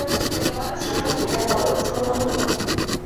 其他主干道有江湾路等。